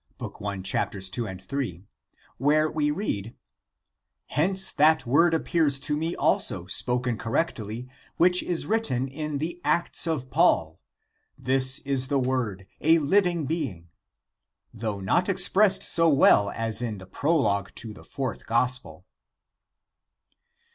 I, 2, 3, where we read :" Hence that word appears to me also spoken cor rectly which is written in the Acts of Paul :' This is the word, a living being,' though not expressed so well as in the Prologue to the Fourth Gospel."